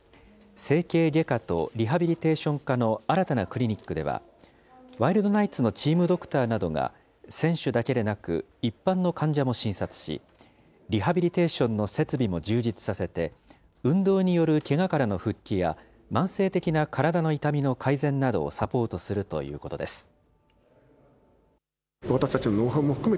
整形外科とリハビリテーション科の新たなクリニックでは、ワイルドナイツのチームドクターなどが、選手だけでなく、一般の患者も診察し、リハビリテーションの設備も充実させて、運動によるけがからの復帰や、慢性的な体の痛みの改善などをサポートするということです。